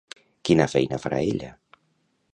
Quina feina farà ella?